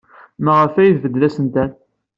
Maɣef ay tbeddel asentel?